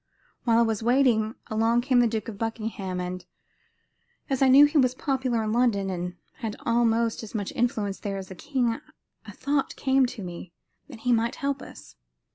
While I was waiting, along came the Duke of Buckingham, and as I knew he was popular in London, and had almost as much influence there as the king, a thought came to me that he might help us.